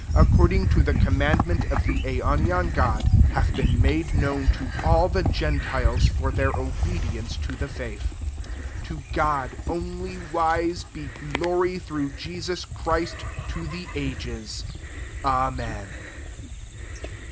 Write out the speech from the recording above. Uncording to the commandment [>f the aionian God, hath been made known to all the gentiles for their obedience to the faith;) W to God, only wise, he glory through Jesus Christ, to the Amen.